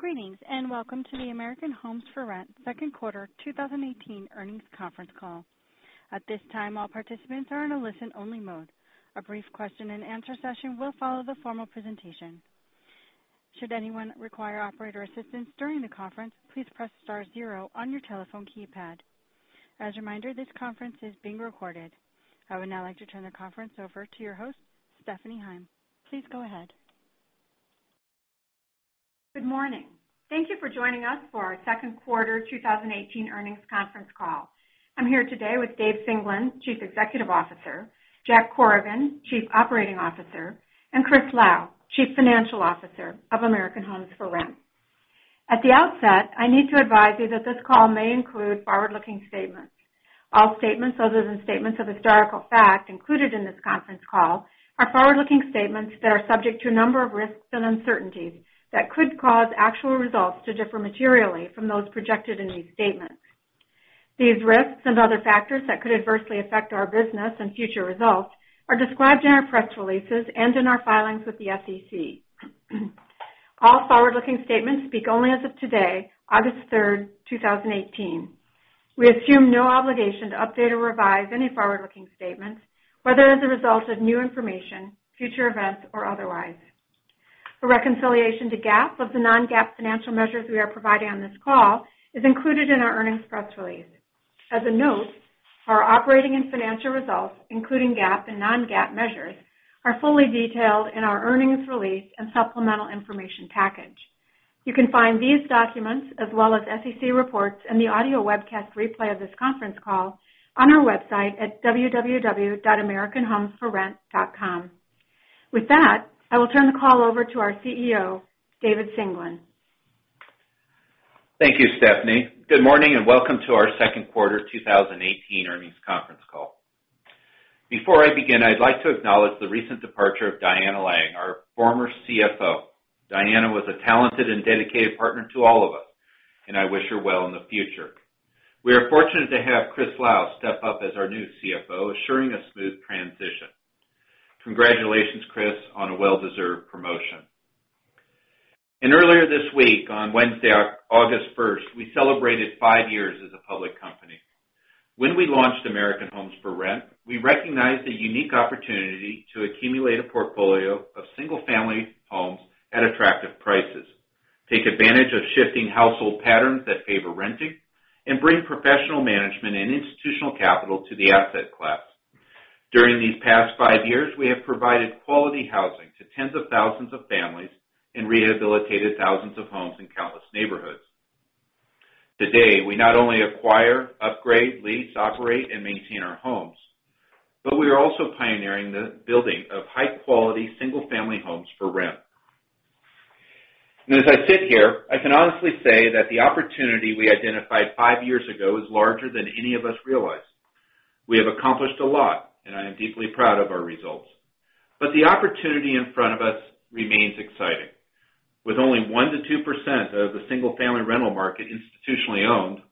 Greetings, welcome to the American Homes 4 Rent second quarter 2018 earnings conference call. At this time, all participants are in a listen-only mode. A brief question and answer session will follow the formal presentation. Should anyone require operator assistance during the conference, please press star zero on your telephone keypad. As a reminder, this conference is being recorded. I would now like to turn the conference over to your host, Stephanie Heim. Please go ahead. Good morning. Thank you for joining us for our second quarter 2018 earnings conference call. I'm here today with David Singelyn, Chief Executive Officer, John Corrigan, Chief Operating Officer, and Christopher Lau, Chief Financial Officer of American Homes 4 Rent. At the outset, I need to advise you that this call may include forward-looking statements. All statements other than statements of historical fact included in this conference call are forward-looking statements that are subject to a number of risks and uncertainties that could cause actual results to differ materially from those projected in these statements. These risks and other factors that could adversely affect our business and future results are described in our press releases and in our filings with the SEC. All forward-looking statements speak only as of today, August 3rd, 2018. We assume no obligation to update or revise any forward-looking statements, whether as a result of new information, future events, or otherwise. A reconciliation to GAAP of the non-GAAP financial measures we are providing on this call is included in our earnings press release. As a note, our operating and financial results, including GAAP and non-GAAP measures, are fully detailed in our earnings release and supplemental information package. You can find these documents as well as SEC reports and the audio webcast replay of this conference call on our website at www.amh.com. With that, I will turn the call over to our CEO, David Singelyn. Thank you, Stephanie. Good morning, welcome to our second quarter 2018 earnings conference call. Before I begin, I'd like to acknowledge the recent departure of Diana Laing, our former CFO. Diana was a talented and dedicated partner to all of us, and I wish her well in the future. We are fortunate to have Christopher Lau step up as our new CFO, assuring a smooth transition. Congratulations, Chris, on a well-deserved promotion. Earlier this week, on Wednesday, August 1st, we celebrated five years as a public company. When we launched American Homes 4 Rent, we recognized the unique opportunity to accumulate a portfolio of single-family homes at attractive prices, take advantage of shifting household patterns that favor renting, and bring professional management and institutional capital to the asset class. During these past five years, we have provided quality housing to tens of thousands of families and rehabilitated thousands of homes in countless neighborhoods. Today, we not only acquire, upgrade, lease, operate, and maintain our homes, but we are also pioneering the building of high-quality single-family homes for rent. As I sit here, I can honestly say that the opportunity we identified five years ago is larger than any of us realized. We have accomplished a lot, I am deeply proud of our results. The opportunity in front of us remains exciting. With only 1%-2% of the single-family rental market institutionally owned,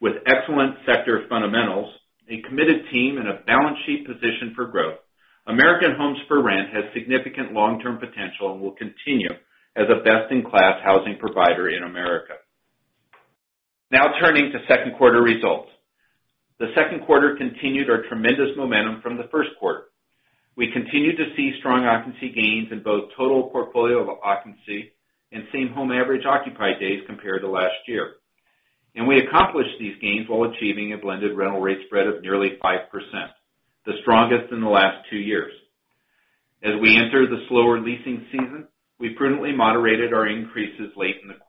with excellent sector fundamentals, a committed team, and a balance sheet positioned for growth, American Homes 4 Rent has significant long-term potential and will continue as a best-in-class housing provider in America. Now turning to second quarter results. The second quarter continued our tremendous momentum from the first quarter. We continued to see strong occupancy gains in both total portfolio occupancy and same home average occupied days compared to last year. We accomplished these gains while achieving a blended rental rate spread of nearly 5%, the strongest in the last two years. As we enter the slower leasing season, we prudently moderated our increases late in the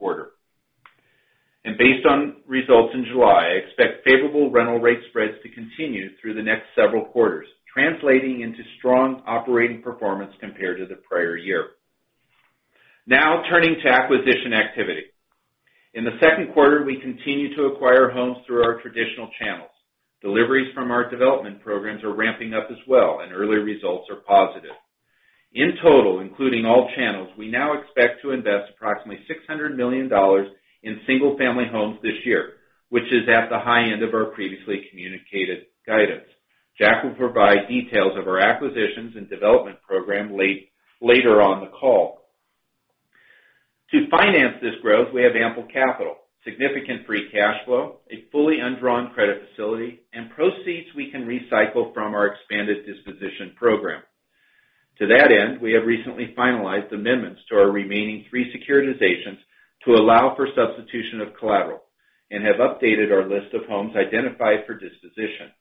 quarter. Based on results in July, I expect favorable rental rate spreads to continue through the next several quarters, translating into strong operating performance compared to the prior year. Now turning to acquisition activity. In the second quarter, we continued to acquire homes through our traditional channels. Deliveries from our development programs are ramping up as well, and early results are positive. In total, including all channels, we now expect to invest approximately $600 million in single-family homes this year, which is at the high end of our previously communicated guidance. Jack will provide details of our acquisitions and development program later on the call. To finance this growth, we have ample capital, significant free cash flow, a fully undrawn credit facility, and proceeds we can recycle from our expanded disposition program. To that end, we have recently finalized amendments to our remaining three securitizations to allow for substitution of collateral and have updated our list of homes identified for disposition.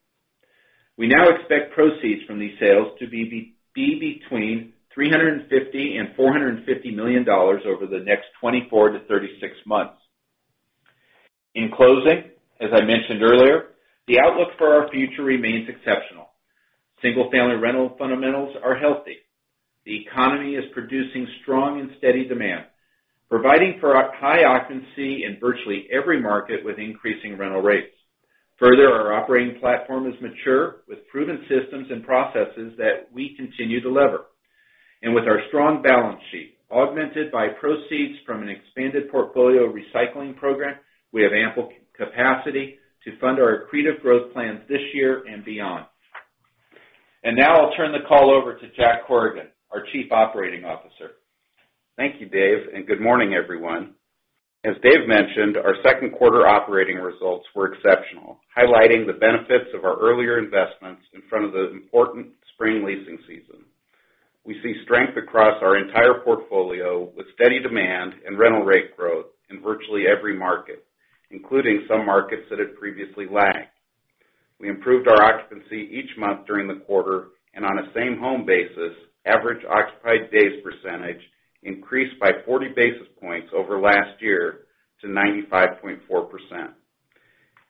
We now expect proceeds from these sales to be between $350 million-$450 million over the next 24-36 months. In closing, as I mentioned earlier, the outlook for our future remains exceptional. Single-family rental fundamentals are healthy. The economy is producing strong and steady demand, providing for high occupancy in virtually every market with increasing rental rates. Further, our operating platform is mature, with proven systems and processes that we continue to lever. With our strong balance sheet, augmented by proceeds from an expanded portfolio recycling program, we have ample capacity to fund our accretive growth plans this year and beyond. Now I'll turn the call over to John Corrigan, our Chief Operating Officer. Thank you, Dave, and good morning, everyone. As Dave mentioned, our second quarter operating results were exceptional, highlighting the benefits of our earlier investments in front of the important spring leasing season. We see strength across our entire portfolio, with steady demand and rental rate growth in virtually every market, including some markets that had previously lagged. We improved our occupancy each month during the quarter, and on a same-home basis, average occupied days percentage increased by 40 basis points over last year to 95.4%.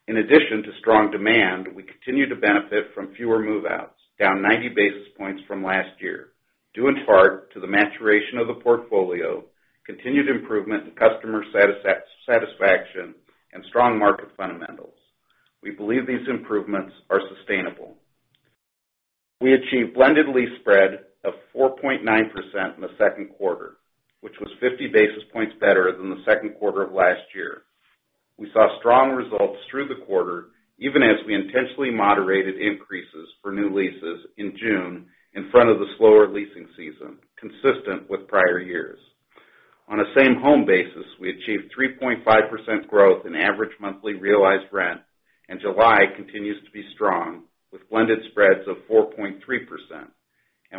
In addition to strong demand, we continue to benefit from fewer move-outs, down 90 basis points from last year, due in part to the maturation of the portfolio, continued improvement in customer satisfaction, and strong market fundamentals. We believe these improvements are sustainable. We achieved blended lease spread of 4.9% in the second quarter, which was 50 basis points better than the second quarter of last year. We saw strong results through the quarter, even as we intentionally moderated increases for new leases in June in front of the slower leasing season, consistent with prior years. On a same-home basis, we achieved 3.5% growth in average monthly realized rent, July continues to be strong, with blended spreads of 4.3%.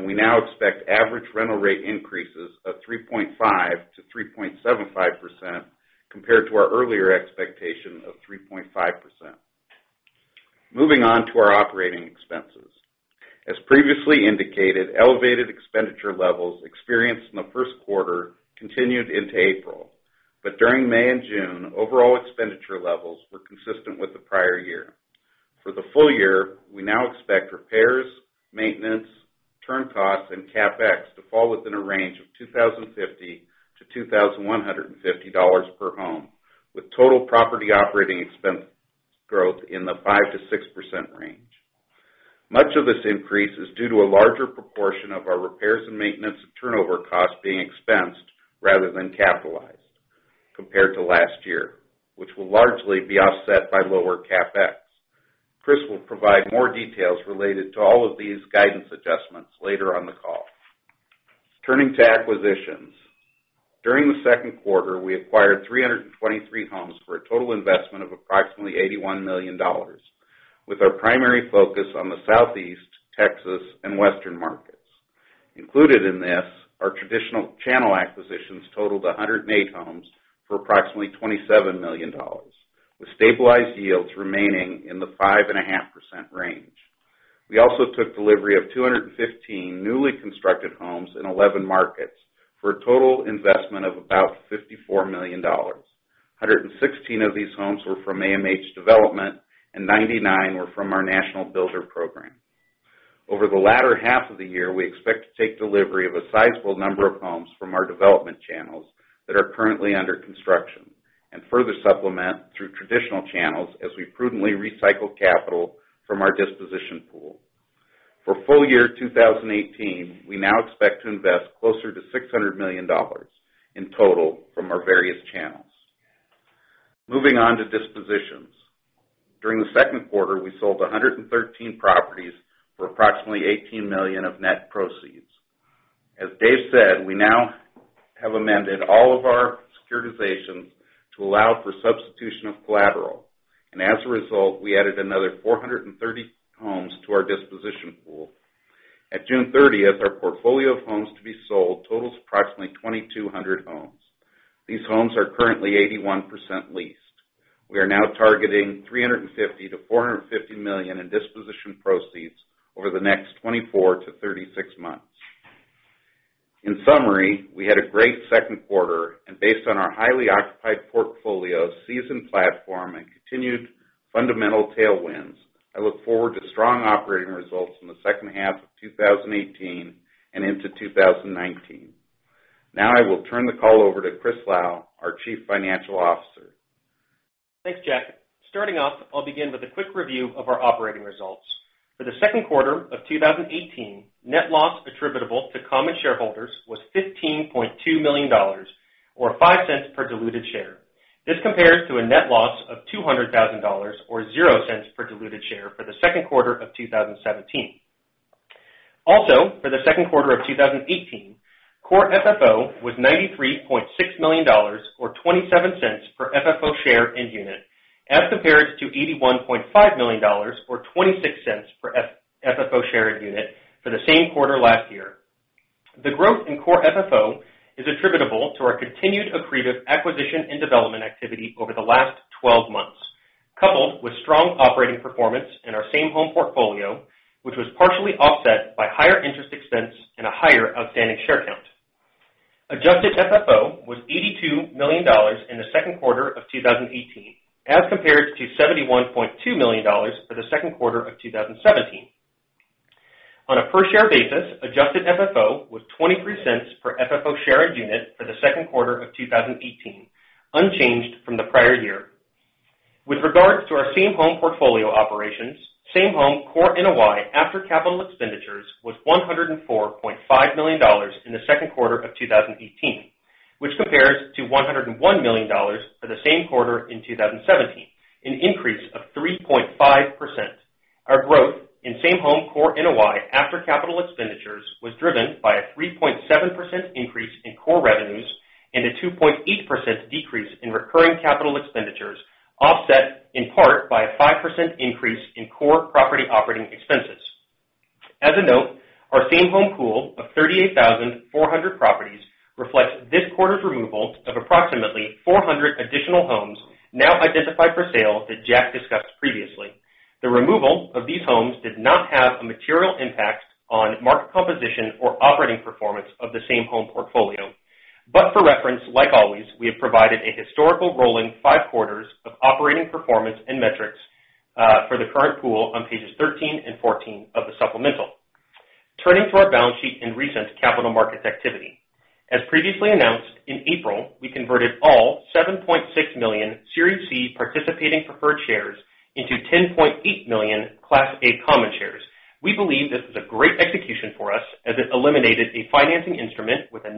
We now expect average rental rate increases of 3.5%-3.75%, compared to our earlier expectation of 3.5%. Moving on to our operating expenses. As previously indicated, elevated expenditure levels experienced in the first quarter continued into April. During May and June, overall expenditure levels were consistent with the prior year. For the full year, we now expect repairs, maintenance, turn costs, and CapEx to fall within a range of $2,050-$2,150 per home, with total property operating expense growth in the 5%-6% range. Much of this increase is due to a larger proportion of our repairs and maintenance and turnover costs being expensed rather than capitalized compared to last year, which will largely be offset by lower CapEx. Chris will provide more details related to all of these guidance adjustments later on the call. Turning to acquisitions. During the second quarter, we acquired 323 homes for a total investment of approximately $81 million, with our primary focus on the Southeast, Texas, and Western markets. Included in this, our traditional channel acquisitions totaled 108 homes for approximately $27 million, with stabilized yields remaining in the 5.5% range. We also took delivery of 215 newly constructed homes in 11 markets for a total investment of about $54 million. 116 of these homes were from AMH Development, and 99 were from our National Builder program. Over the latter half of the year, we expect to take delivery of a sizable number of homes from our development channels that are currently under construction, and further supplement through traditional channels as we prudently recycle capital from our disposition pool. For full year 2018, we now expect to invest closer to $600 million in total from our various channels. Moving on to dispositions. During the second quarter, we sold 113 properties for approximately $18 million of net proceeds. As Dave said, we now have amended all of our securitizations to allow for substitution of collateral. As a result, we added another 430 homes to our disposition pool. At June 30th, our portfolio of homes to be sold totals approximately 2,200 homes. These homes are currently 81% leased. We are now targeting $350 million-$450 million in disposition proceeds over the next 24 to 36 months. In summary, we had a great second quarter, and based on our highly occupied portfolio, seasoned platform, and continued fundamental tailwinds, I look forward to strong operating results in the second half of 2018 and into 2019. I will turn the call over to Christopher Lau, our Chief Financial Officer. Thanks, Jack. Starting off, I'll begin with a quick review of our operating results. For the second quarter of 2018, net loss attributable to common shareholders was $15.2 million, or $0.05 per diluted share. This compares to a net loss of $200,000, or $0.00 per diluted share for the second quarter of 2017. For the second quarter of 2018, core FFO was $93.6 million, or $0.27 per FFO share and unit, as compared to $81.5 million or $0.26 per FFO share and unit for the same quarter last year. The growth in core FFO is attributable to our continued accretive acquisition and development activity over the last 12 months, coupled with strong operating performance in our same-home portfolio, which was partially offset by higher interest expense and a higher outstanding share count. Adjusted FFO was $82 million in the second quarter of 2018, as compared to $71.2 million for the second quarter of 2017. On a per-share basis, adjusted FFO was $0.23 per FFO share and unit for the second quarter of 2018, unchanged from the prior year. With regards to our same-home portfolio operations, same-home core NOI after capital expenditures was $104.5 million in the second quarter of 2018. Compares to $101 million for the same quarter in 2017, an increase of 3.5%. Our growth in Same-Home core NOI after capital expenditures was driven by a 3.7% increase in core revenues and a 2.8% decrease in recurring capital expenditures, offset in part by a 5% increase in core property operating expenses. As a note, our Same-Home pool of 38,400 properties reflects this quarter's removal of approximately 400 additional homes now identified for sale that Jack discussed previously. The removal of these homes did not have a material impact on market composition or operating performance of the Same-Home portfolio. For reference, like always, we have provided a historical rolling five quarters of operating performance and metrics for the current pool on pages 13 and 14 of the supplemental. Turning to our balance sheet and recent capital markets activity. As previously announced, in April, we converted all 7.6 million Series C participating preferred shares into 10.8 million Class A common shares. We believe this is a great execution for us as it eliminated a financing instrument with a 9%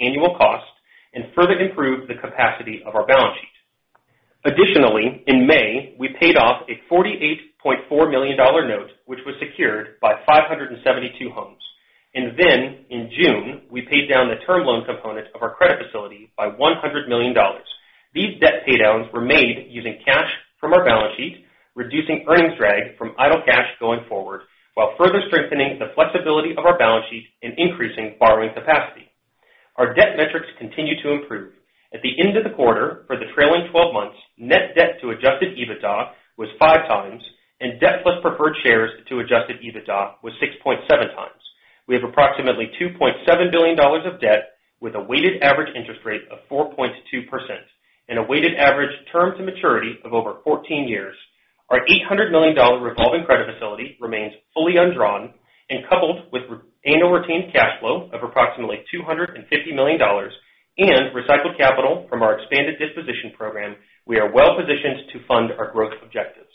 annual cost and further improved the capacity of our balance sheet. Additionally, in May, we paid off a $48.4 million note, which was secured by 572 homes. In June, we paid down the term loan component of our credit facility by $100 million. These debt pay-downs were made using cash from our balance sheet, reducing earnings drag from idle cash going forward, while further strengthening the flexibility of our balance sheet and increasing borrowing capacity. Our debt metrics continue to improve. At the end of the quarter, for the trailing 12 months, net debt to adjusted EBITDA was five times, and debt plus preferred shares to adjusted EBITDA was 6.7 times. We have approximately $2.7 billion of debt with a weighted average interest rate of 4.2% and a weighted average term to maturity of over 14 years. Our $800 million revolving credit facility remains fully undrawn and coupled with annual retained cash flow of approximately $250 million and recycled capital from our expanded disposition program, we are well-positioned to fund our growth objectives.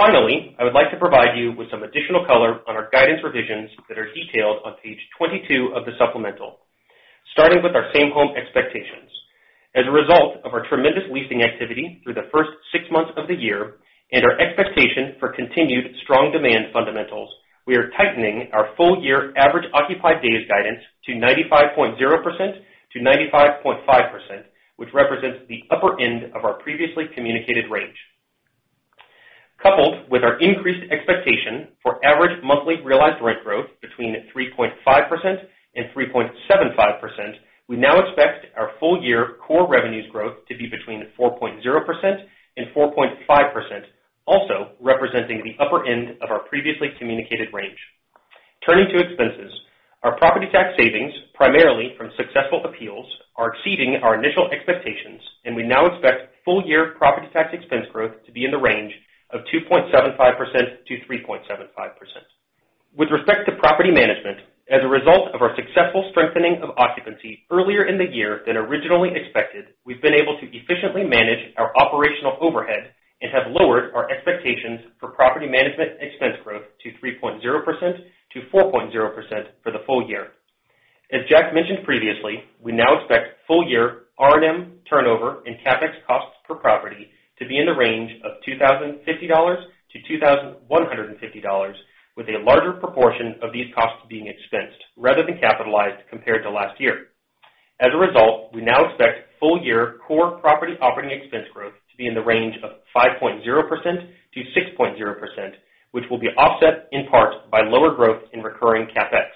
Finally, I would like to provide you with some additional color on our guidance revisions that are detailed on page 22 of the supplemental. Starting with our Same-Home expectations. As a result of our tremendous leasing activity through the first six months of the year and our expectation for continued strong demand fundamentals, we are tightening our full year average occupied days guidance to 95.0%-95.5%, which represents the upper end of our previously communicated range. Coupled with our increased expectation for average monthly realized rent growth between 3.5% and 3.75%, we now expect our full year core revenues growth to be between 4.0% and 4.5%, also representing the upper end of our previously communicated range. Turning to expenses, our property tax savings, primarily from successful appeals, are exceeding our initial expectations, and we now expect full year property tax expense growth to be in the range of 2.75%-3.75%. With respect to property management, as a result of our successful strengthening of occupancy earlier in the year than originally expected, we've been able to efficiently manage our operational overhead and have lowered our expectations for property management expense growth to 3.0%-4.0% for the full year. As Jack mentioned previously, we now expect full year R&M turnover and CapEx costs per property to be in the range of $2,050-$2,150, with a larger proportion of these costs being expensed rather than capitalized compared to last year. As a result, we now expect full year core property operating expense growth to be in the range of 5.0%-6.0%, which will be offset in part by lower growth in recurring CapEx.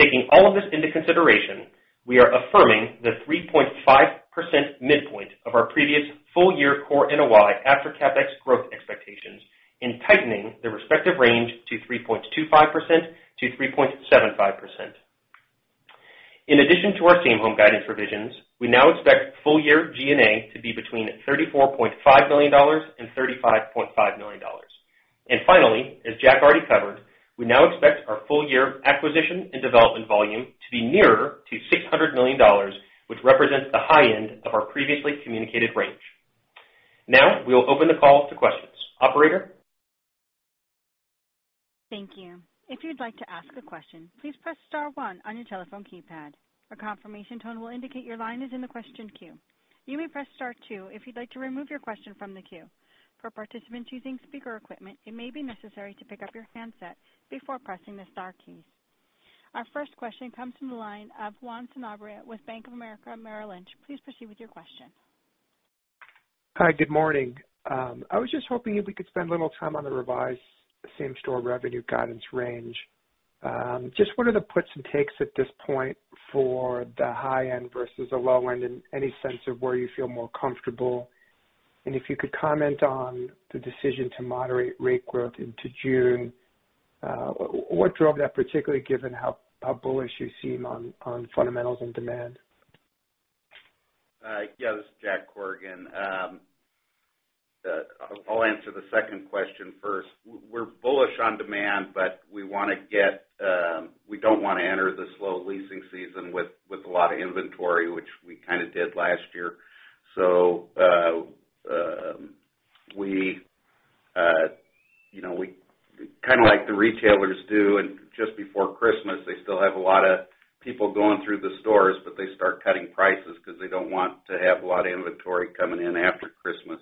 Taking all of this into consideration, we are affirming the 3.5% midpoint of our previous full year core NOI after CapEx growth expectations and tightening the respective range to 3.25%-3.75%. In addition to our Same-Home guidance revisions, we now expect full year G&A to be between $34.5 million and $35.5 million. Finally, as Jack already covered, we now expect our full year acquisition and development volume to be nearer to $600 million, which represents the high end of our previously communicated range. We will open the call to questions. Operator? Thank you. If you'd like to ask a question, please press star one on your telephone keypad. A confirmation tone will indicate your line is in the question queue. You may press star two if you'd like to remove your question from the queue. For participants using speaker equipment, it may be necessary to pick up your handset before pressing the star keys. Our first question comes from the line of Juan Sanabria with Bank of America Merrill Lynch. Please proceed with your question. Hi. Good morning. I was just hoping if we could spend a little time on the revised same-store revenue guidance range. Just what are the puts and takes at this point for the high end versus the low end, and any sense of where you feel more comfortable? If you could comment on the decision to moderate rate growth into June. What drove that, particularly given how bullish you seem on fundamentals and demand? Yeah. This is John Corrigan. I'll answer the second question first. We're bullish on demand, but we don't want to enter the slow leasing season with a lot of inventory, which we kind of did last year. We. Kind of like the retailers do just before Christmas, they still have a lot of people going through the stores, but they start cutting prices because they don't want to have a lot of inventory coming in after Christmas.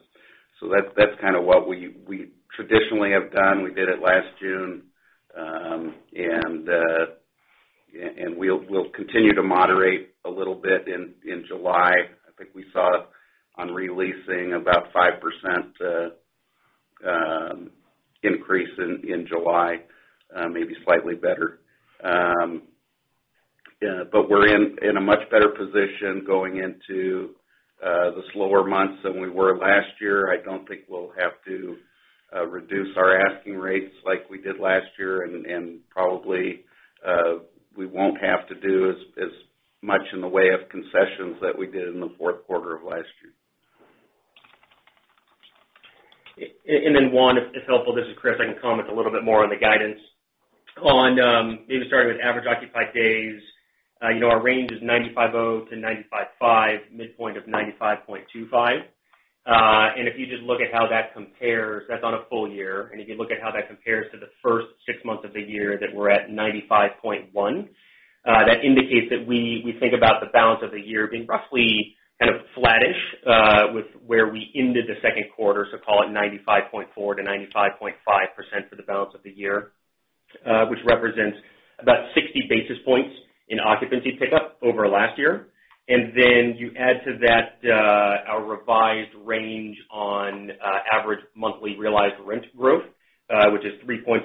That's what we traditionally have done. We did it last June. We'll continue to moderate a little bit in July. I think we saw on re-leasing about 5% increase in July, maybe slightly better. We're in a much better position going into the slower months than we were last year. I don't think we'll have to reduce our asking rates like we did last year, and probably, we won't have to do as much in the way of concessions that we did in the fourth quarter of last year. Juan, if it's helpful, this is Chris, I can comment a little bit more on the guidance. On maybe starting with average occupied days. Our range is 95.0 to 95.5, midpoint of 95.25. If you just look at how that compares, that's on a full year. If you look at how that compares to the first six months of the year that we're at 95.1, that indicates that we think about the balance of the year being roughly kind of flattish, with where we ended the second quarter. Call it 95.4%-95.5% for the balance of the year, which represents about 60 basis points in occupancy pickup over last year. You add to that our revised range on average monthly realized rent growth, which is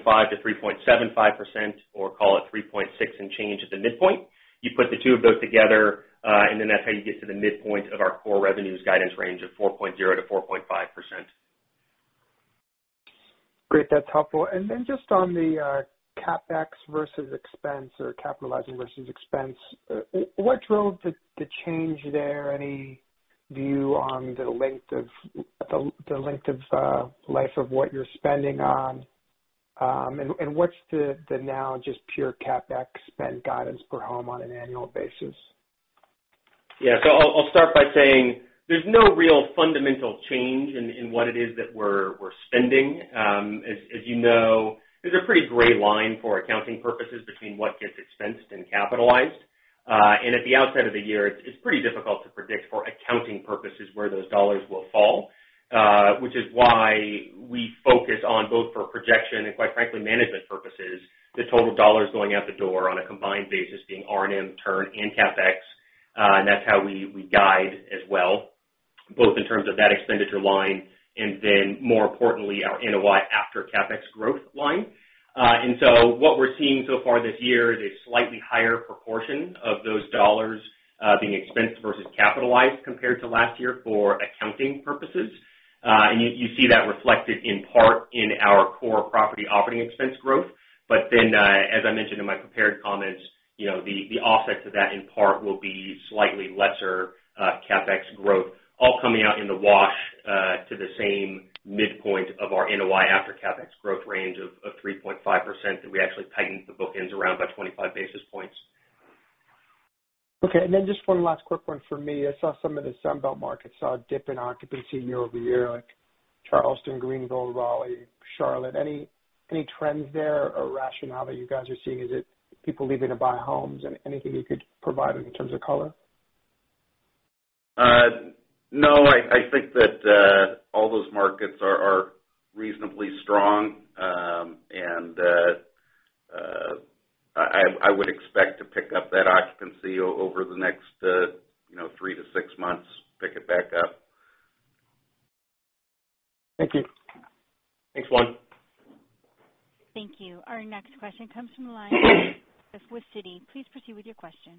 3.5%-3.75%, or call it 3.6% and change at the midpoint. You put the two of those together, and then that's how you get to the midpoint of our core revenues guidance range of 4.0%-4.5%. Great. That's helpful. Just on the CapEx versus expense or capitalizing versus expense, what drove the change there? Any view on the length of life of what you're spending on? What's the now just pure CapEx spend guidance per home on an annual basis? Yeah. I'll start by saying there's no real fundamental change in what it is that we're spending. As you know, there's a pretty gray line for accounting purposes between what gets expensed and capitalized. At the outset of the year, it's pretty difficult to predict for accounting purposes where those dollars will fall, which is why we focus on both for projection and quite frankly, management purposes, the total dollars going out the door on a combined basis being R&M turn and CapEx. That's how we guide as well, both in terms of that expenditure line and then more importantly, our NOI after CapEx growth line. What we're seeing so far this year is a slightly higher proportion of those dollars being expensed versus capitalized compared to last year for accounting purposes. You see that reflected in part in our core property operating expense growth. As I mentioned in my prepared comments, the offset to that in part will be slightly lesser CapEx growth, all coming out in the wash to the same midpoint of our NOI after CapEx growth range of 3.5% that we actually tightened the bookends around by 25 basis points. Okay, just one last quick one for me. I saw some of the Sun Belt markets saw a dip in occupancy year-over-year, like Charleston, Greenville, Raleigh, Charlotte. Any trends there or rationale that you guys are seeing? Is it people leaving to buy homes? Anything you could provide in terms of color? No, I think that all those markets are reasonably strong. I would expect to pick up that occupancy over the next three to six months, pick it back up. Thank you. Thanks, Juan. Thank you. Our next question comes from the line of Buck Horne. Please proceed with your question.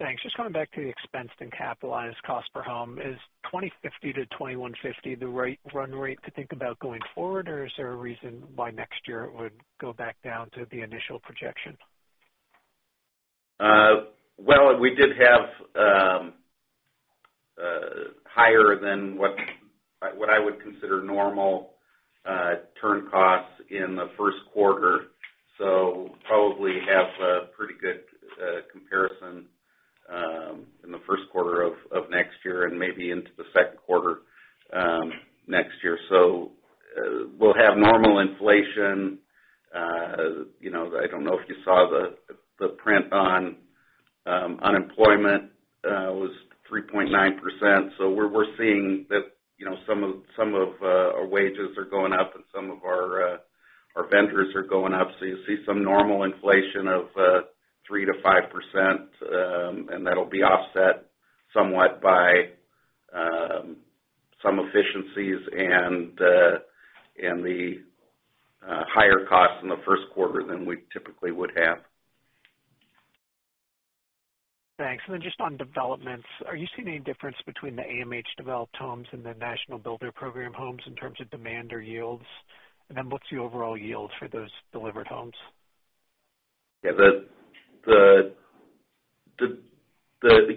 Thanks. Just coming back to the expensed and capitalized cost per home. Is $2,050-$2,150 the right run rate to think about going forward, or is there a reason why next year it would go back down to the initial projection? Well, we did have higher than what I would consider normal turn costs in the first quarter. Probably have a pretty good comparison in the first quarter of next year and maybe into the second quarter next year. We'll have normal inflation. I don't know if you saw the print on unemployment. It was 3.9%. We're seeing that some of our wages are going up and some of our vendors are going up. You'll see some normal inflation of 3%-5%, and that'll be offset somewhat by some efficiencies and the higher costs in the first quarter than we typically would have. Thanks. Just on developments, are you seeing any difference between the AMH-developed homes and the National Builder Program homes in terms of demand or yields? What's the overall yield for those delivered homes? Yeah. The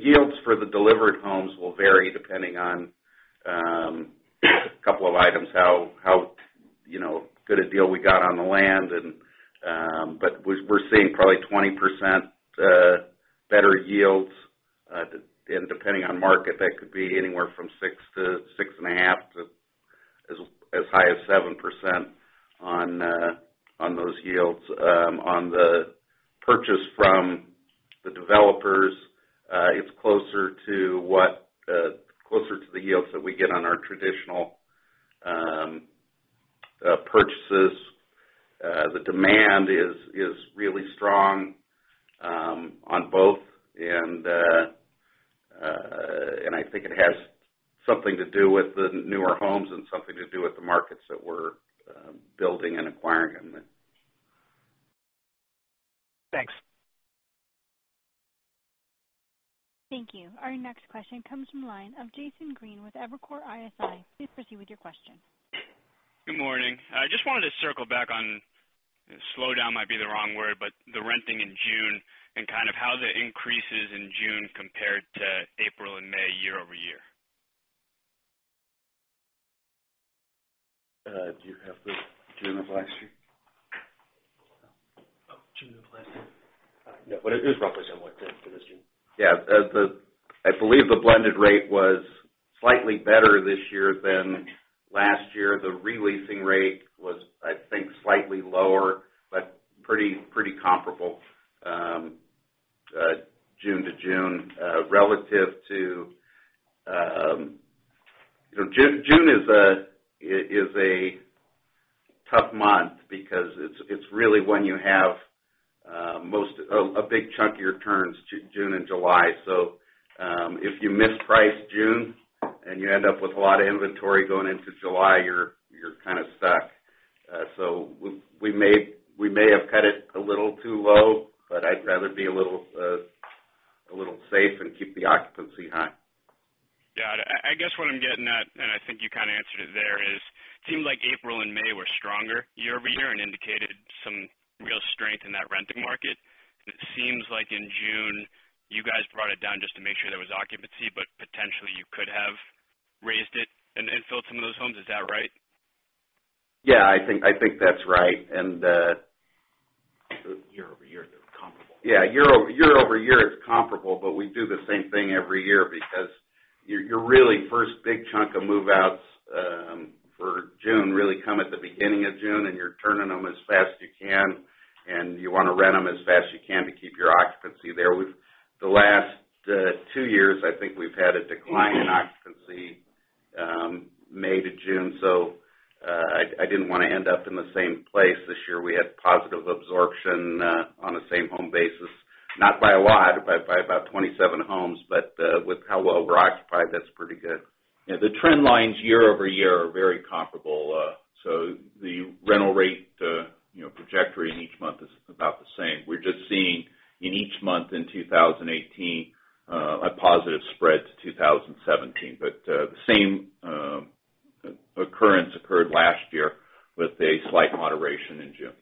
yields for the delivered homes will vary depending on a couple of items. How good a deal we got on the land. We're seeing probably 20% better yields. Depending on market, that could be anywhere from 6% to 6.5% to as high as 7% on those yields. On the purchase from the developers, it's closer to the yields that we get on our traditional purchases. The demand is really strong on both, I think it has something to do with the newer homes and something to do with the markets that we're building and acquiring in. Thanks. Thank you. Our next question comes from the line of Jason Green with Evercore ISI. Please proceed with your question. Good morning. I just wanted to circle back on, slowdown might be the wrong word, the renting in June and kind of how the increases in June compared to April and May year-over-year. Do you have the June advice sheet? June advice sheet. No, but it is roughly similar to this June. Yeah. I believe the blended rate was slightly better this year than last year. The re-leasing rate was, I think, slightly lower, but pretty comparable June to June relative to June is a tough month because it's really when you have a big chunk of your turns, June and July. If you misprice June and you end up with a lot of inventory going into July, you're kind of stuck. We may have cut it a little too low, but I'd rather be a little safe and keep the occupancy high. Yeah. I guess what I'm getting at, and I think you kind of answered it there, is it seemed like April and May were stronger year-over-year and indicated some real strength in that renting market. It seems like in June, you guys brought it down just to make sure there was occupancy, but potentially you could have raised it and filled some of those homes. Is that right? Yeah, I think that's right. Year-over-year, they're comparable. Yeah. Year-over-year, it's comparable. We do the same thing every year because your really first big chunk of move-outs for June really come at the beginning of June, you're turning them as fast you can, you want to rent them as fast as you can to keep your occupancy there. The last two years, I think we've had a decline in occupancy May to June. I didn't want to end up in the same place. This year, we had positive absorption on a same home basis, not by a lot, by about 27 homes. With how well we're occupied, that's pretty good. Yeah. The trend lines year-over-year are very comparable. The rental rate trajectory in each month is about the same. We're just seeing in each month in 2018, a positive spread to 2017. The same occurrence occurred last year with a slight moderation in June.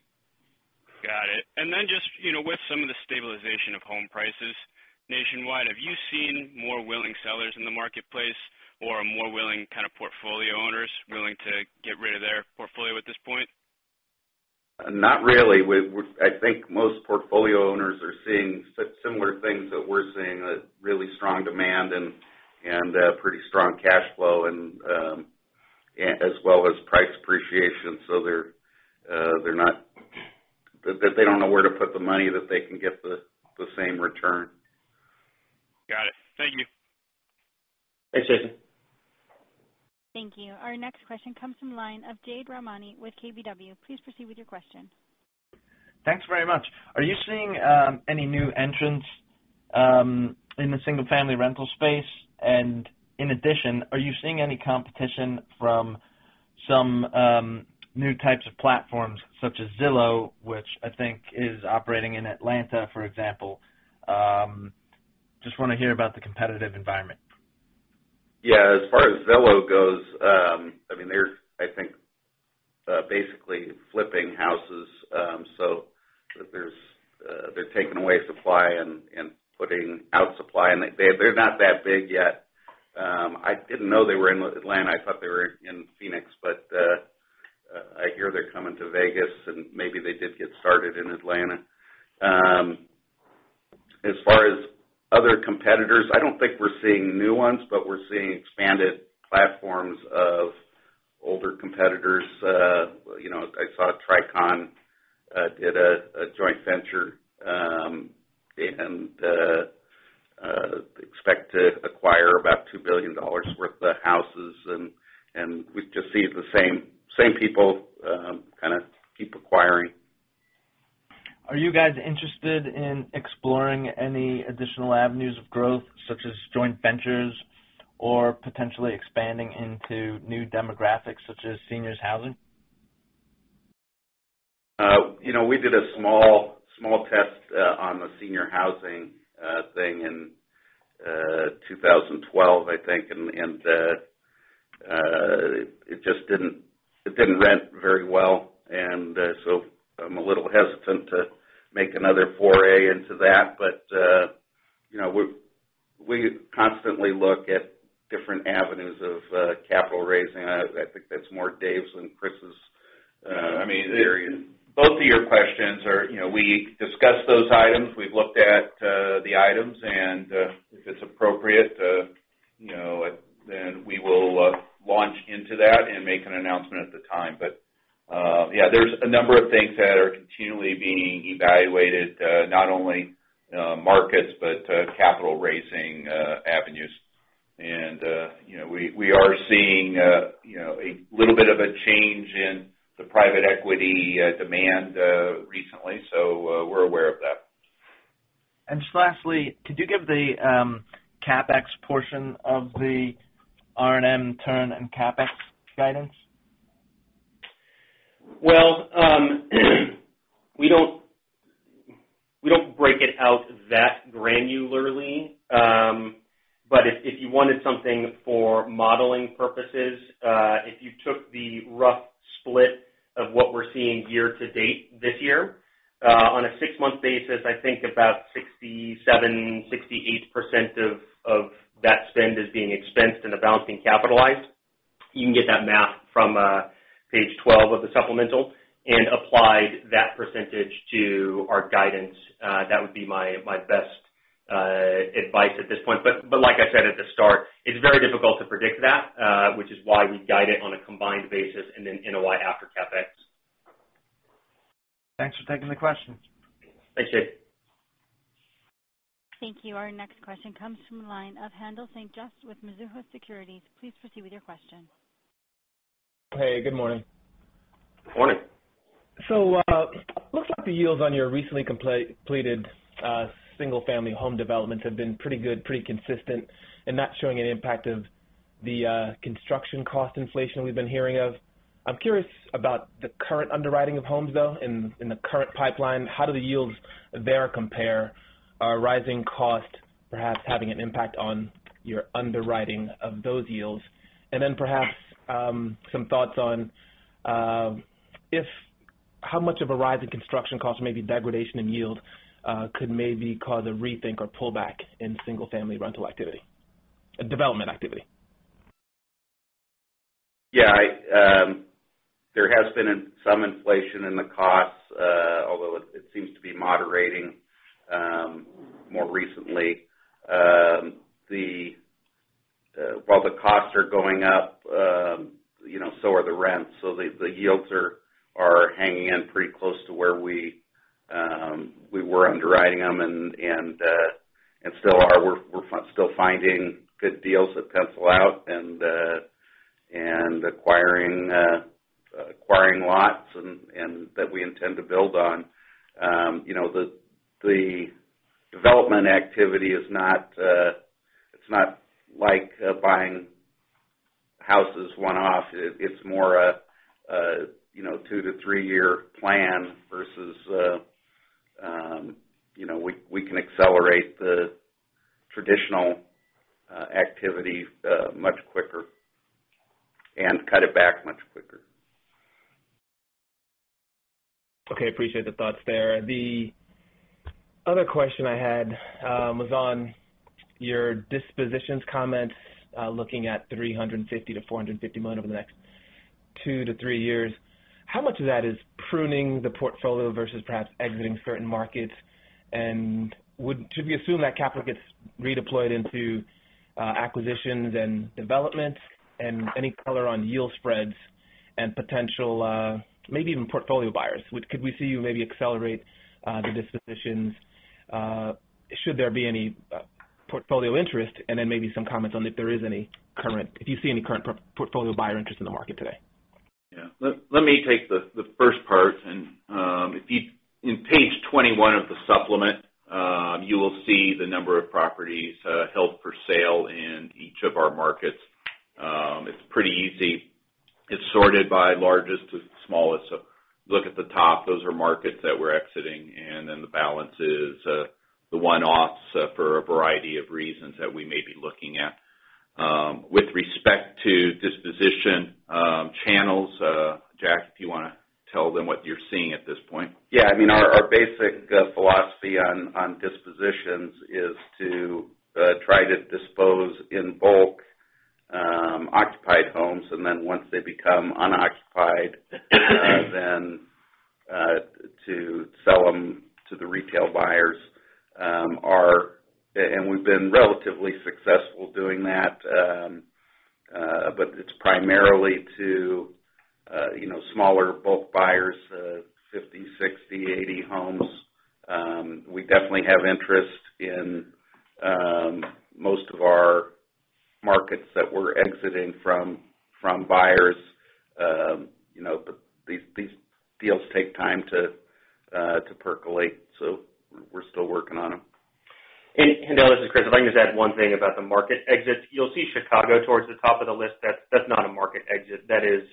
Got it. Just with some of the stabilization of home prices nationwide, have you seen more willing sellers in the marketplace or more willing kind of portfolio owners willing to get rid of their portfolio at this point? Not really. I think most portfolio owners are seeing similar things that we're seeing, really strong demand and pretty strong cash flow, as well as price appreciation. They don't know where to put the money that they can get the same return. Got it. Thank you. Thanks, Jason. Thank you. Our next question comes from line of Jade Rahmani with KBW. Please proceed with your question. Thanks very much. Are you seeing any new entrants in the single-family rental space? In addition, are you seeing any competition from some new types of platforms such as Zillow, which I think is operating in Atlanta, for example? Just want to hear about the competitive environment. Yeah. As far as Zillow goes, they're, I think, basically flipping houses. They're taking away supply and putting out supply, and they're not that big yet. I didn't know they were in Atlanta. I thought they were in Phoenix. I hear they're coming to Vegas, and maybe they did get started in Atlanta. As far as other competitors, I don't think we're seeing new ones, but we're seeing expanded platforms of older competitors. I saw Tricon did a joint venture, and they expect to acquire about $2 billion worth of houses, and we just see the same people kind of keep acquiring. Are you guys interested in exploring any additional avenues of growth, such as joint ventures or potentially expanding into new demographics such as seniors housing? We did a small test on the senior housing thing in 2012, I think, it didn't rent very well. I'm a little hesitant to make another foray into that. We constantly look at different avenues of capital raising. I think that's more Dave's and Chris's I mean, both of your questions, we discussed those items. We've looked at the items, if it's appropriate, we will launch into that and make an announcement at the time. Yeah, there's a number of things that are continually being evaluated, not only markets, but capital-raising avenues. We are seeing a little bit of a change in the private equity demand recently, so we're aware of that. Just lastly, could you give the CapEx portion of the R&M turn and CapEx guidance? Well, we don't break it out that granularly. If you wanted something for modeling purposes, if you took the rough split of what we're seeing year to date this year, on a six-month basis, I think about 67%-68% of that spend is being expensed and the balance being capitalized. You can get that math from page 12 of the supplemental and apply that percentage to our guidance. That would be my best advice at this point. Like I said at the start, it's very difficult to predict that, which is why we guide it on a combined basis and then NOI after CapEx. Thanks for taking the question. Thanks, Jade. Thank you. Our next question comes from the line of Haendel St. Juste with Mizuho Securities. Please proceed with your question. Hey, good morning. Good morning. It looks like the yields on your recently completed single-family home developments have been pretty good, pretty consistent, and not showing any impact of the construction cost inflation we've been hearing of. I'm curious about the current underwriting of homes, though, in the current pipeline. How do the yields there compare? Are rising costs perhaps having an impact on your underwriting of those yields? Then perhaps some thoughts on how much of a rise in construction costs, maybe degradation in yield, could maybe cause a rethink or pullback in single-family rental activity, development activity. There has been some inflation in the costs. It seems to be moderating more recently. While the costs are going up, so are the rents. The yields are hanging in pretty close to where we were underwriting them and still are. We're still finding good deals that pencil out and acquiring lots that we intend to build on. The development activity is not like buying houses one-off. It's more a 2-3 year plan versus we can accelerate the traditional activity much quicker and cut it back much quicker. Appreciate the thoughts there. The other question I had was on your dispositions comments, looking at $350 million-$450 million over the next 2-3 years. How much of that is pruning the portfolio versus perhaps exiting certain markets? Should we assume that capital gets redeployed into acquisitions and development? Any color on yield spreads and potential, maybe even portfolio buyers? Could we see you maybe accelerate the dispositions? Should there be any portfolio interest? Then maybe some comments on if there is any current, if you see any current portfolio buyer interest in the market today. Let me take the first part. If you in page 21 of the supplement, you will see the number of properties held for sale in each of our markets. It's pretty easy. It's sorted by largest to smallest. Look at the top, those are markets that we're exiting, then the balance is the one-offs for a variety of reasons that we may be looking at. With respect to disposition channels, Jack, if you want to tell them what you're seeing at this point. I mean, our basic philosophy on dispositions is to try to dispose, in bulk, occupied homes, and then once they become unoccupied, then to sell them to the retail buyers. We've been relatively successful doing that. It's primarily to smaller bulk buyers, 50, 60, 80 homes. We definitely have interest in most of our markets that we're exiting from buyers. These deals take time to percolate, we're still working on them. Haendel, this is Chris. If I can just add one thing about the market exits. You'll see Chicago towards the top of the list. That's not a market exit. That is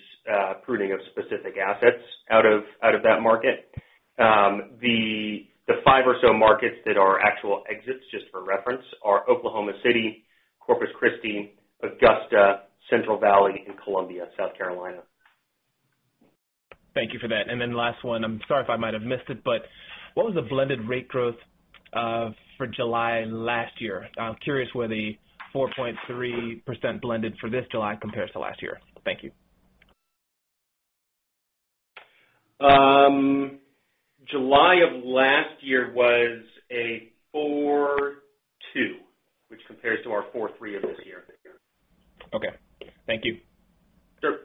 pruning of specific assets out of that market. The five or so markets that are actual exits, just for reference, are Oklahoma City, Corpus Christi, Augusta, Central Valley, and Columbia, South Carolina. Thank you for that. Then last one, I'm sorry if I might have missed it, what was the blended rate growth for July last year? I'm curious where the 4.3% blended for this July compares to last year. Thank you. July of last year was a 4.2, which compares to our 4.3 of this year. Okay. Thank you. Sure.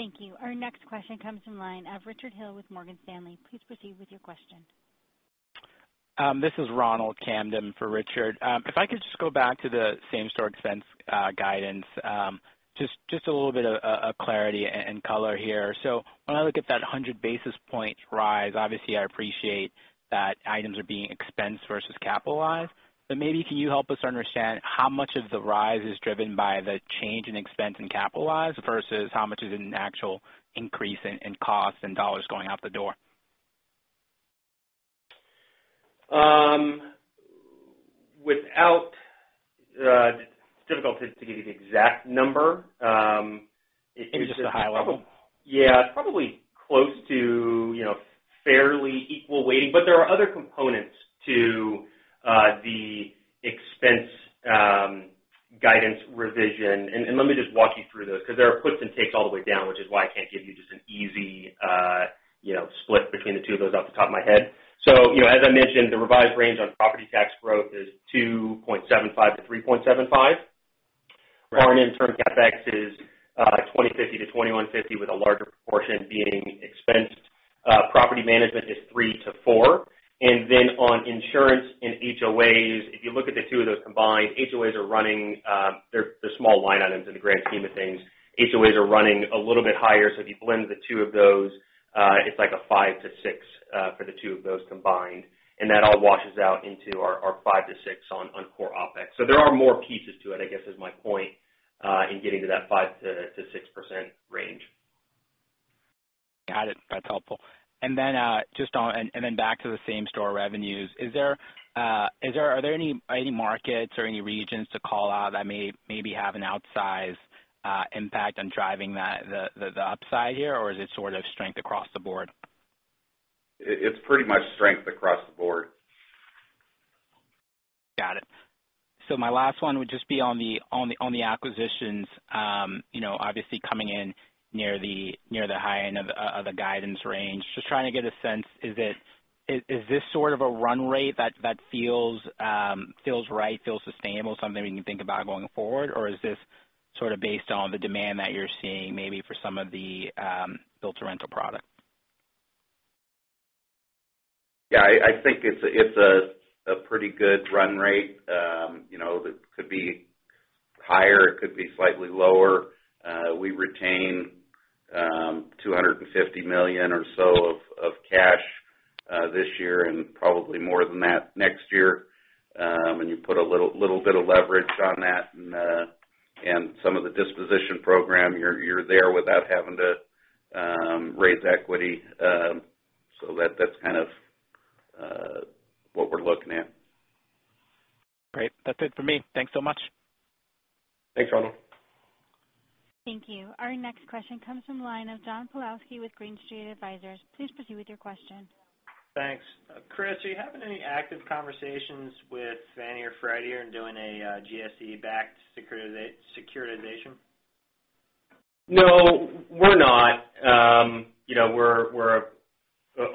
Thank you. Our next question comes from the line of Richard Hill with Morgan Stanley. Please proceed with your question. This is Ronald Kamdem for Richard. If I could just go back to the same-store expense guidance. Just a little bit of clarity and color here. When I look at that 100 basis points rise, obviously, I appreciate that items are being expensed versus capitalized, but maybe can you help us understand how much of the rise is driven by the change in expense and capitalized versus how much is an actual increase in cost and dollars going out the door? It's difficult to give you the exact number. Just the high level. Yeah. Probably close to fairly equal weighting. There are other components to the expense guidance revision, let me just walk you through those, because there are puts and takes all the way down, which is why I can't give you just an easy split between the two of those off the top of my head. As I mentioned, the revised range on property tax growth is 2.75%-3.75%. Right. R&M turn CapEx is 2.05%-2.15%, with a larger proportion being expensed. Property management is 3%-4%. Then on insurance and HOAs, if you look at the two of those combined, HOAs are running They're small line items in the grand scheme of things. HOAs are running a little bit higher. If you blend the two of those, it's like a 5%-6% for the two of those combined, and that all washes out into our 5%-6% on core OpEx. There are more pieces to it, I guess is my point, in getting to that 5% to 6% range. Got it. That's helpful. Then back to the same-store revenues. Are there any markets or any regions to call out that maybe have an outsized impact on driving the upside here or is it sort of strength across the board? It's pretty much strength across the board. Got it. My last one would just be on the acquisitions. Obviously coming in near the high end of the guidance range. Just trying to get a sense, is this sort of a run rate that feels right, feels sustainable, something we can think about going forward? Or is this sort of based on the demand that you're seeing, maybe for some of the build-to-rent products? Yeah, I think it's a pretty good run rate. It could be higher, it could be slightly lower. We retain $250 million or so of cash this year, probably more than that next year. When you put a little bit of leverage on that and some of the disposition program, you're there without having to raise equity. That's kind of what we're looking at. Great. That's it for me. Thanks so much. Thanks, Ronald. Thank you. Our next question comes from the line of John Pawlowski with Green Street Advisors. Please proceed with your question. Thanks. Chris, are you having any active conversations with Fannie or Freddie on doing a GSE-backed securitization? No, we're not. We're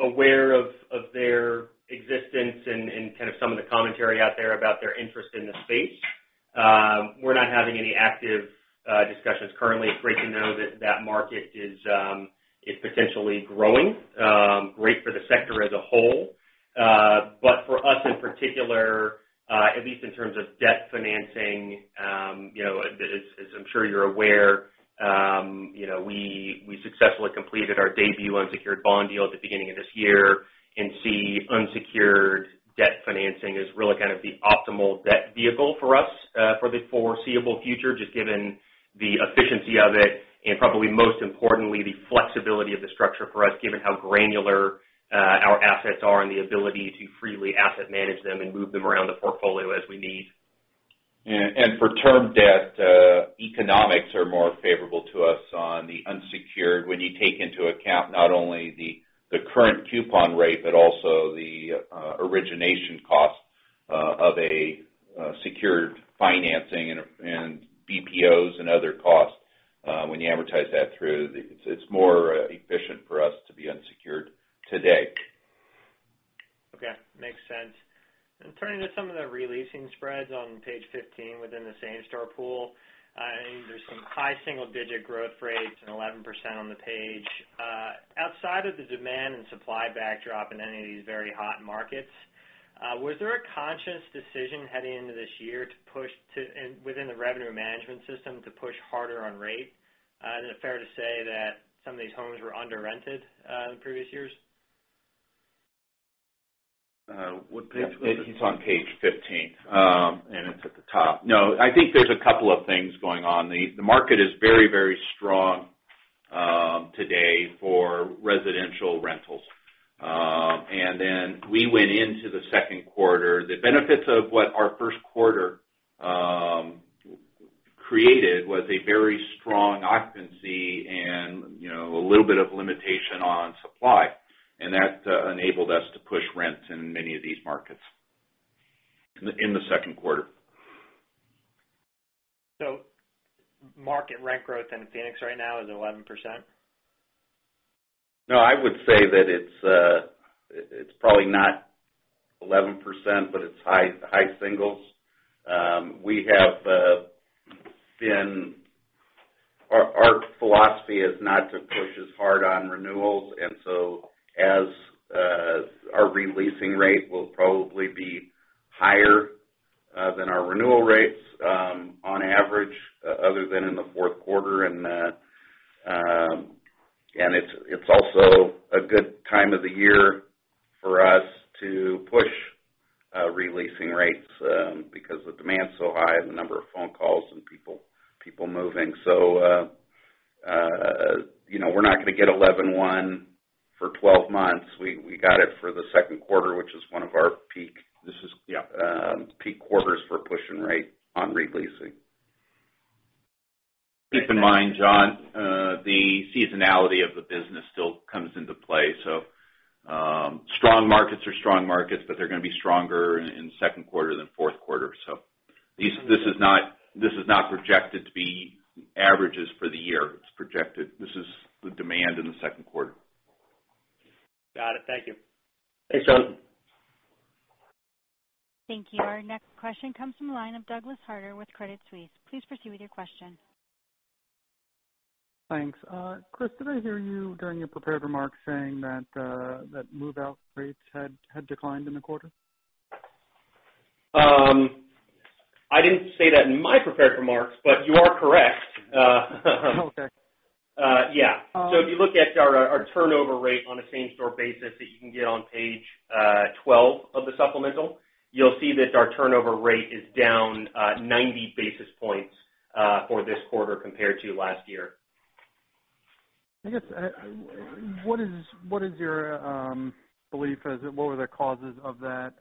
aware of their existence and kind of some of the commentary out there about their interest in the space. We're not having any active discussions currently. It's great to know that that market is potentially growing. Great for the sector as a whole. For us in particular, at least in terms of debt financing, as I'm sure you're aware, we successfully completed our debut unsecured bond deal at the beginning of this year and see unsecured debt financing as really kind of the optimal debt vehicle for us for the foreseeable future, just given the efficiency of it, and probably most importantly, the flexibility of the structure for us, given how granular our assets are and the ability to freely asset manage them and move them around the portfolio as we need. For term debt, economics are more favorable to us on the unsecured when you take into account not only the current coupon rate but also the origination cost of a secured financing and BPOs and other costs. When you amortize that through, it's more efficient for us to be unsecured today. Okay. Makes sense. Turning to some of the re-leasing spreads on page 15 within the same-store pool, there's some high single-digit growth rates and 11% on the page. Outside of the demand and supply backdrop in any of these very hot markets, was there a conscious decision heading into this year, within the revenue management system, to push harder on rate? Is it fair to say that some of these homes were under-rented in previous years? What page was it? It's on page 15. It's at the top. I think there's a couple of things going on. The market is very strong today for residential rentals. We went into the second quarter. The benefits of what our first quarter Created was a very strong occupancy, a little bit of limitation on supply, that enabled us to push rents in many of these markets in the second quarter. Market rent growth in Phoenix right now is 11%? I would say that it's probably not 11%, but it's high singles. Our philosophy is not to push as hard on renewals. As our re-leasing rate will probably be higher than our renewal rates on average other than in the fourth quarter. It's also a good time of the year for us to push re-leasing rates because the demand's so high and the number of phone calls and people moving. We're not going to get [11.1%] for 12 months. We got it for the second quarter, which is one of our peak- Yeah peak quarters for pushing rate on re-leasing. Keep in mind, John, the seasonality of the business still comes into play. Strong markets are strong markets, but they're going to be stronger in the second quarter than the fourth quarter. This is not projected to be averages for the year. This is the demand in the second quarter. Got it. Thank you. Thanks, John. Thank you. Our next question comes from the line of Douglas Harter with Credit Suisse. Please proceed with your question. Thanks. Chris, did I hear you during your prepared remarks saying that move-out rates had declined in the quarter? I didn't say that in my prepared remarks, but you are correct. Okay. Yeah. If you look at our turnover rate on a same-store basis that you can get on page 12 of the supplemental, you'll see that our turnover rate is down 90 basis points for this quarter compared to last year. I guess, what is your belief as what were the causes of that?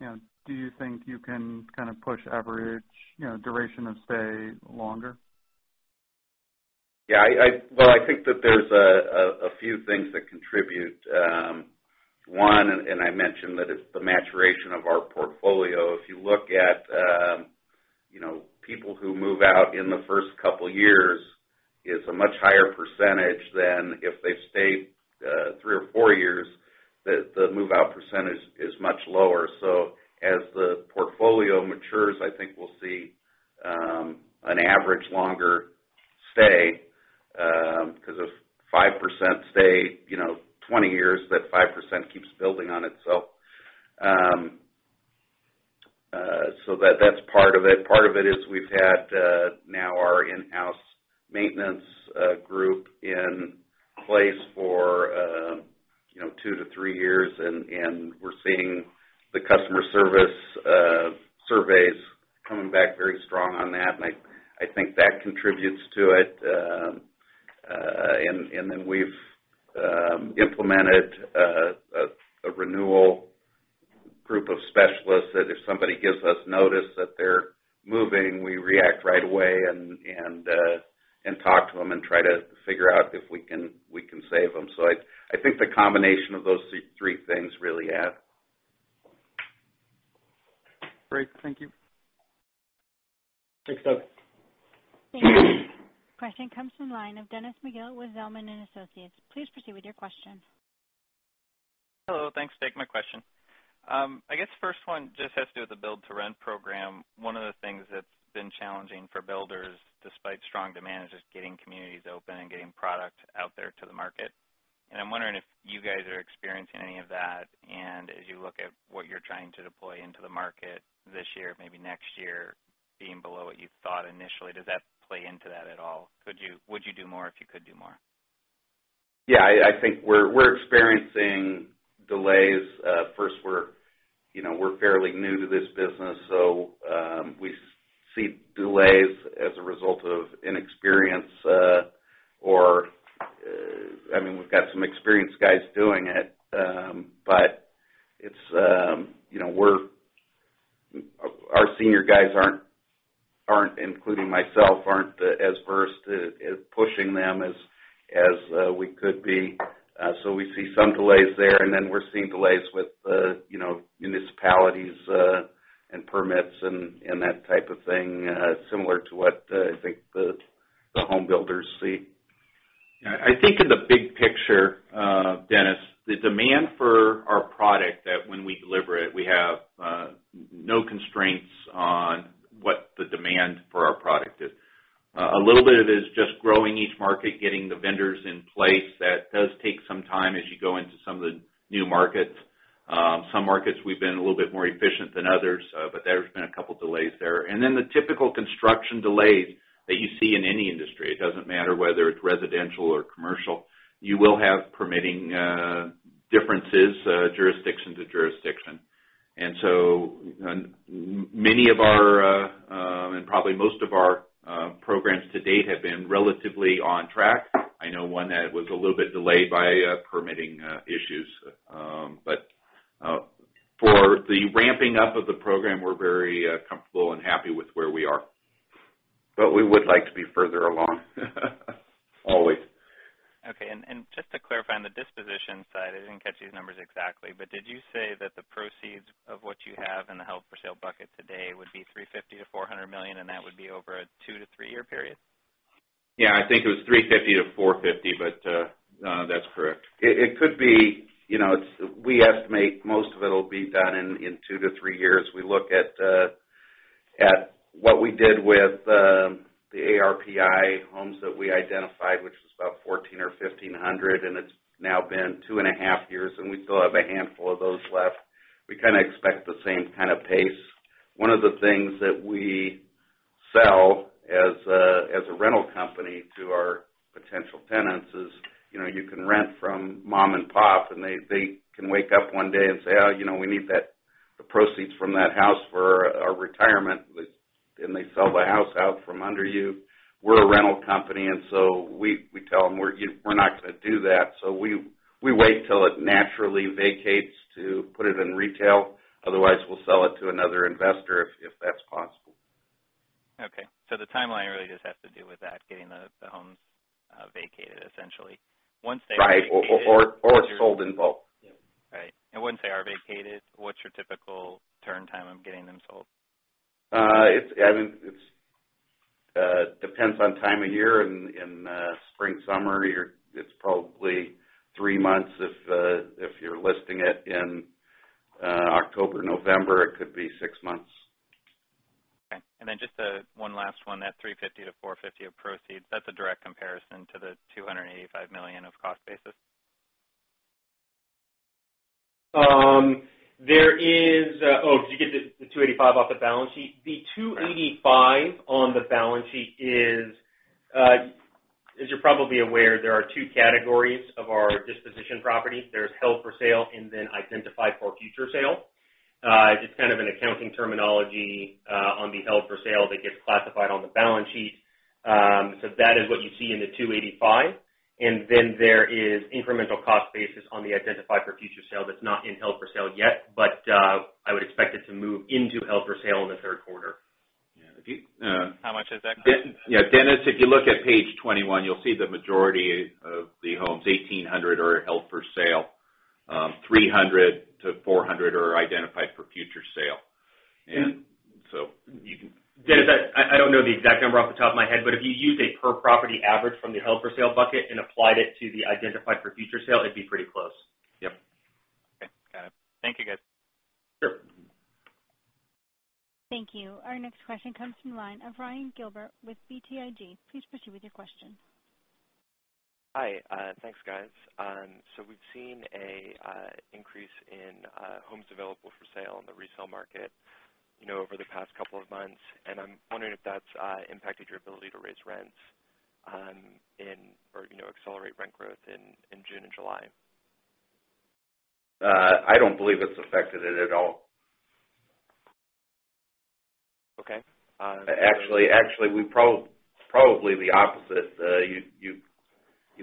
Do you think you can kind of push average duration of stay longer? Yeah. Well, I think that there's a few things that contribute. One, I mentioned that it's the maturation of our portfolio. If you look at people who move out in the first couple of years, it's a much higher percentage than if they've stayed three or four years, the move-out percentage is much lower. As the portfolio matures, I think we'll see an average longer stay. Because if 5% stay 20 years, that 5% keeps building on itself. That's part of it. Part of it is we've had now our in-house maintenance group in place for two to three years, we're seeing the customer service surveys coming back very strong on that, I think that contributes to it. Then we've implemented a renewal group of specialists that if somebody gives us notice that they're moving, we react right away and talk to them and try to figure out if we can save them. I think the combination of those three things really add. Great. Thank you. Thanks, Doug. Thank you. Our next question comes from the line of Dennis McGill with Zelman & Associates. Please proceed with your question. Hello. Thanks for taking my question. I guess first one just has to do with the build-to-rent program. One of the things that's been challenging for builders, despite strong demand, is just getting communities open and getting product out there to the market. I'm wondering if you guys are experiencing any of that. As you look at what you're trying to deploy into the market this year, maybe next year being below what you thought initially, does that play into that at all? Would you do more if you could do more? I think we're experiencing delays. First, we're fairly new to this business, we see delays as a result of inexperience. We've got some experienced guys doing it, but our senior guys aren't, including myself, aren't as versed at pushing them as we could be. We see some delays there, we're seeing delays with municipalities and permits and that type of thing similar to what I think the home builders see. I think in the big picture, Dennis, the demand for our product that when we deliver it, we have no constraints on what the demand for our product is. A little bit of it is just growing each market, getting the vendors in place. That does take some time as you go into some of the new markets. Some markets, we've been a little bit more efficient than others, but there's been a couple of delays there. The typical construction delays that you see in any industry. It doesn't matter whether it's residential or commercial. You will have permitting differences, jurisdiction to jurisdiction. Many of our, and probably most of our programs to date have been relatively on track. I know one that was a little bit delayed by permitting issues. With the ramping up of the program, we're very comfortable and happy with where we are. We would like to be further along. Always. Okay. Just to clarify, on the disposition side, I didn't catch these numbers exactly, but did you say that the proceeds of what you have in the held for sale bucket today would be $350 million-$400 million, and that would be over a two to three-year period? Yeah, I think it was $350 million-$450 million, but no, that's correct. We estimate most of it'll be done in two to three years. We look at what we did with the ARPI homes that we identified, which was about 14 or 1,500, and it's now been two and a half years, and we still have a handful of those left. We kind of expect the same kind of pace. One of the things that we sell as a rental company to our potential tenants is, you can rent from mom and pop, and they can wake up one day and say, "Oh, we need the proceeds from that house for our retirement," and they sell the house out from under you. We're a rental company, and so we tell them, we're not going to do that. We wait till it naturally vacates to put it in retail. Otherwise, we'll sell it to another investor if that's possible. Okay. The timeline really just has to do with that, getting the homes vacated, essentially. Right. It's sold in bulk. Right. Once they are vacated, what's your typical turn time of getting them sold? It depends on time of year. In spring, summer, it's probably three months. If you're listing it in October, November, it could be six months. Okay. Just one last one. That $350 to $450 of proceeds, that's a direct comparison to the $285 million of cost basis? Did you get the $285 off the balance sheet? Yeah. The $285 on the balance sheet is, as you're probably aware, there are 2 categories of our disposition property. There's held for sale and then identified for future sale. It's kind of an accounting terminology on the held for sale that gets classified on the balance sheet. That is what you see in the $285. There is incremental cost basis on the identified for future sale that's not in held for sale yet. I would expect it to move into held for sale in the third quarter. Yeah. How much is that cost basis? Yeah, Dennis, if you look at page 21, you'll see the majority of the homes, 1,800 are held for sale. 300 to 400 are identified for future sale. Dennis, I don't know the exact number off the top of my head, but if you use a per property average from the held for sale bucket and applied it to the identified for future sale, it'd be pretty close. Yep. Okay. Got it. Thank you, guys. Sure. Thank you. Our next question comes from the line of Ryan Gilbert with BTIG. Please proceed with your question. Hi. Thanks, guys. We've seen a increase in homes available for sale in the resale market over the past couple of months, and I'm wondering if that's impacted your ability to raise rents or accelerate rent growth in June and July. I don't believe it's affected it at all. Okay. Actually, probably the opposite.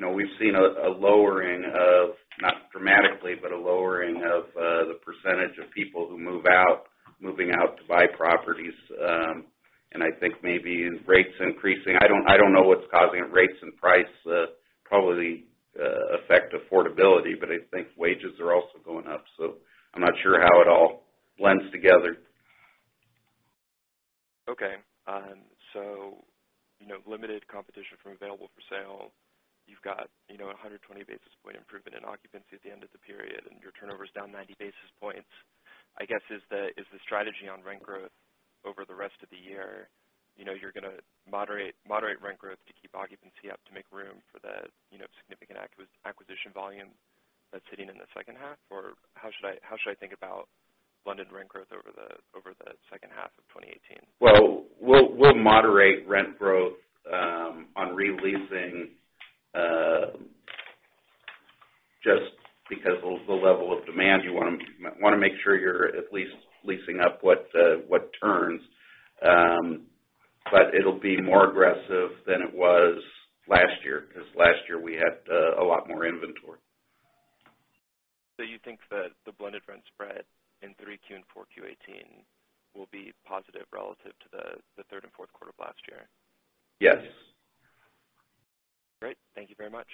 We've seen a lowering of, not dramatically, but a lowering of the percentage of people who move out, moving out to buy properties. I think maybe rates increasing. I don't know what's causing it, rates and price, probably affect affordability, but I think wages are also going up, so I'm not sure how it all blends together. Okay. Limited competition from available for sale. You've got 120 basis point improvement in occupancy at the end of the period. Your turnover is down 90 basis points. I guess, is the strategy on rent growth over the rest of the year, you're going to moderate rent growth to keep occupancy up to make room for the significant acquisition volume that's hitting in the second half? How should I think about blended rent growth over the second half of 2018? Well, we'll moderate rent growth on re-leasing, just because the level of demand, you want to make sure you're at least leasing up what turns. But it'll be more aggressive than it was last year, because last year we had a lot more inventory. You think that the blended rent spread in 3Q and 4Q 2018 will be positive relative to the third and fourth quarter of last year? Yes. Great. Thank you very much.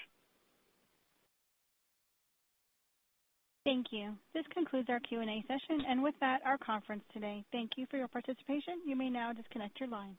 Thank you. This concludes our Q&A session. With that, our conference today. Thank you for your participation. You may now disconnect your lines.